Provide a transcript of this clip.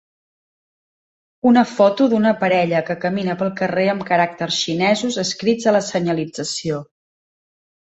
Una foto d'una parella que camina pel carrer amb caràcters xinesos escrits a la senyalització.